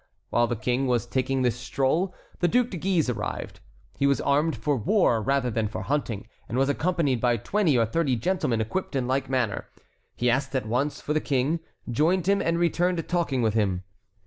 While the King was taking this stroll, the Duc de Guise arrived. He was armed for war rather than for hunting, and was accompanied by twenty or thirty gentlemen equipped in like manner. He asked at once for the King, joined him, and returned talking with him.